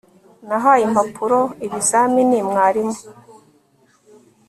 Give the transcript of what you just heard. nahaye impapuro ibizamini mwarimu